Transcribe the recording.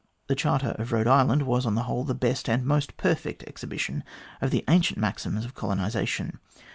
The Charter of Rhode Island was, on the whole, the best and most perfect exhibition of the ancient maxims of colonisation.